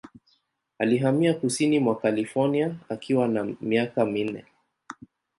Alihamia kusini mwa California akiwa na miaka minne.